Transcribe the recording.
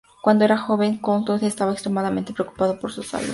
Cuando era joven, Knowlton estaba extremadamente preocupado por su salud.